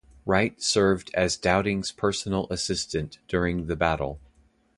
Wright served as Dowding's personal assistant during the Battle.